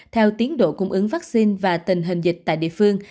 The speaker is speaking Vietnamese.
theo tiến độ cung ứng vaccine và tình hình dịch tại địa phương